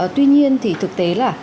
tuy nhiên thì thực tế là